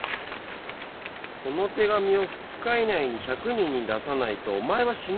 「この手紙を２日以内に１００人に出さないとお前は死ぬ」？